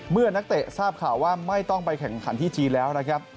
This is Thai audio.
นักเตะทราบข่าวว่าไม่ต้องไปแข่งขันที่จีนแล้วนะครับ